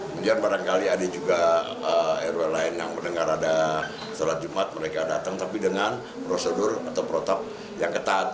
kemudian barangkali ada juga rw lain yang mendengar ada sholat jumat mereka datang tapi dengan prosedur atau protap yang ketat